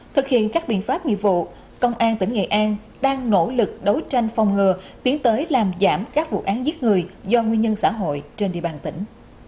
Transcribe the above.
thực hiện các biện pháp nghiệp vụ công an tỉnh nghệ an đang nỗ lực đấu tranh phòng ngừa tiến tới làm giảm các vụ án giết người do nguyên nhân xã hội trên địa bàn tỉnh